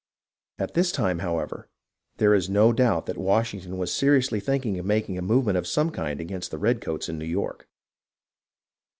At this time, however, there is no doubt that Washington was seriously thinking of making a movement of some kind against the redcoats in New York.